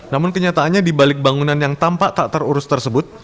namun kenyataannya di balik bangunan yang tampak tak terurus tersebut